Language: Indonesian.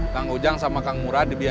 kang ujang sama kang murad di biaya